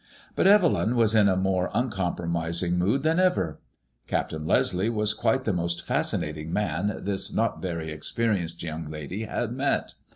But Evelyn was in a more uncompromising mood than ever. Captain Leslie was quite the most fascinating man this not very experienced young lady had met.